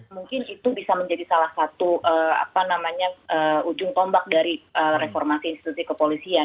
mungkin itu bisa menjadi salah satu ujung tombak dari reformasi institusi kepolisian